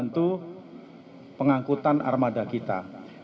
dan itu pengangkutan armada kita